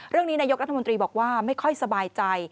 เรื่องนี้นายกรัฐมนตรีบอกว่าไม่ค่อยสบายใจ